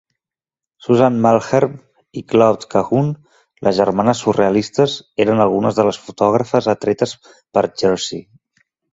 Suzanne Malherbe i Claude Cahun, les "germanes surrealistes" eren algunes de les fotògrafes atretes per Jersey.